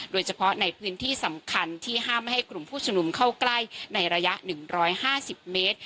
โดยเฉพาะในพื้นที่สำคัญที่ห้ามไม่ให้กลุ่มผู้ชุมนุมเข้าใกล้ในระยะ๑๕๐เมตร